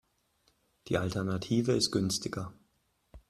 Die Alternative ist günstiger.